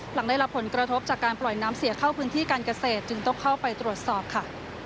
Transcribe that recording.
หลังได้รับผลกระทบจากการปล่อยน้ำเสียเข้าพื้นที่การเกษตรจึงต้องเข้าไปตรวจสอบค่ะ